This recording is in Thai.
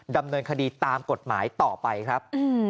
ดำเนินคดีตามกฎหมายต่อไปครับ